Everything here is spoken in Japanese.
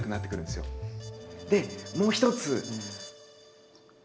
でもう一つ。